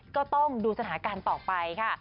ก็ต้องดูสถานการณ์ต่อไปค่ะ